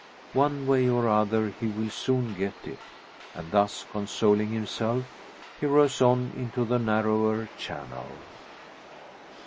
One way or other he will soon get it; and thus consoling himself, he rows on into the narrower channel.